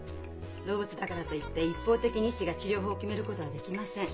動物だからと言って一方的に医師が治療法を決めることはできません。